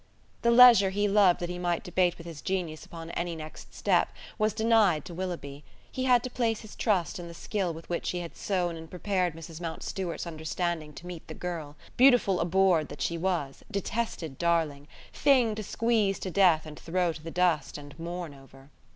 The leisure he loved that he might debate with his genius upon any next step was denied to Willoughby: he had to place his trust in the skill with which he had sown and prepared Mrs Mountstuart's understanding to meet the girl beautiful abhorred that she was! detested darling! thing to squeeze to death and throw to the dust, and mourn over!